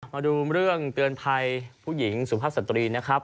มาดูเรื่องเตือนภัยผู้หญิงสุภาพสตรีนะครับ